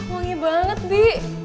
wangi banget bi